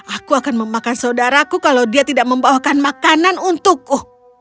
aku akan memakan saudaraku kalau dia tidak membawakan makanan untukku